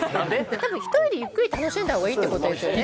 多分１人でゆっくり楽しんだ方がいいってことですよね？